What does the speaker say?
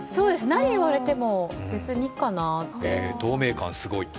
何、言われても別にいいかなと。